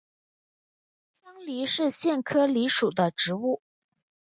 香藜是苋科藜属的植物。